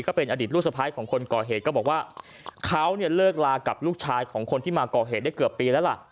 ก็เป็นอดีตลูกสะพ้ายของคนก่อเหตุก็บอกว่าเขาเนี่ยเลิกลากับลูกชายของคนที่มาก่อเหตุได้เกือบปีแล้วล่ะ